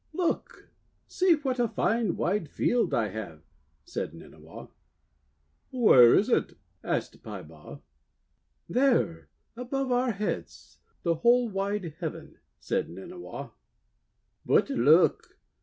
'Look! See what a fine, wide field I have," said Nynniaw. 'Where is it?' asked Peibaw. 'There above our heads — the whole wide heaven," said Nynniaw. ;'But look!